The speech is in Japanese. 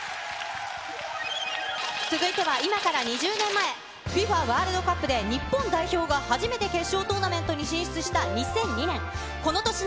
続いては、今から２０年前、ＦＩＦＡワールドカップで日本代表が初めて決勝トーナメントに進出した２００２年。